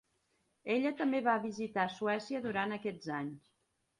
Ella també va visitar Suècia durant aquests anys.